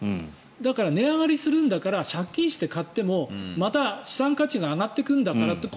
だから、値上がりするんだから借金して買ってもまた資産価値が上がっていくんだからという。